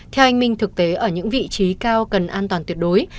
theo anh minh thực tế ở những vị trí cao cần an toàn tuyệt đối